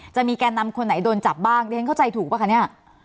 แก่นำคนไหนโดนจับบ้างเรียนเข้าใจถูกป่ะคะเนี่ย